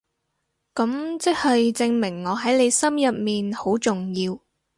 噉即係證明我喺你心入面好重要